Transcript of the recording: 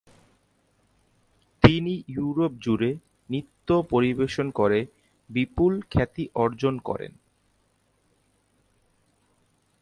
তিনি ইউরোপ জুড়ে নৃত্য পরিবেশন করে বিপুল খ্যাতি অর্জন করেন।